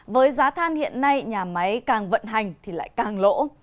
với giá than hiện nay nhà máy càng vận hành thì lại càng lỗ